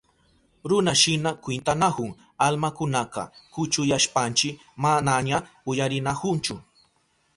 Runashina kwintanahun almakunaka, kuchuyashpanchi manaña uyarinahunchu.